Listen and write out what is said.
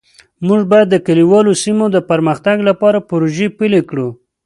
موږ باید د کلیوالو سیمو د پرمختګ لپاره پروژې پلي کړو